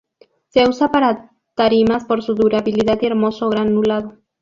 Se usa para tarimas por su durabilidad y hermoso granulado.